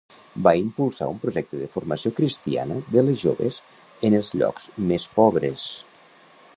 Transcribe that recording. Va impulsar un projecte de formació cristiana de les joves en els llocs més pobres.